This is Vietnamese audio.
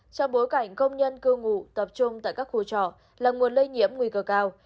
trong bối cảnh công nhân cư ngụ tập trung tại các khu trọ là nguồn lây nhiễm nguy cơ cao